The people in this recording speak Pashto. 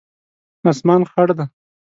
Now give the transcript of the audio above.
اسمان خړ دی